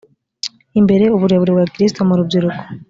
imbere uburere bwa gikirisitu mu rubyiruko